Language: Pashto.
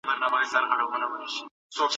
دغه نرمغالی دونه ښکلی دی چي زړه ته رانږدې کېږي.